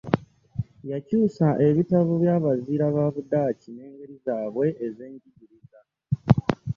Yakyusa ebitabo by'abazira ba Budaki n'engeri zaabwe ez'enjigiriza.